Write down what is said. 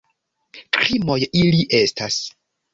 Krimoj ili estas!